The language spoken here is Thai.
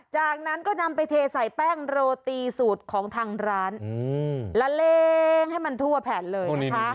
จากนั้นก็นำไปเทใส่แป้งโรตีสูตรของทางร้านละเลงให้มันทั่วแผ่นเลยนะคะ